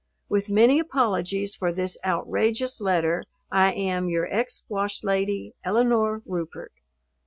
With many apologies for this outrageous letter, I am Your ex Washlady, ELINORE RUPERT.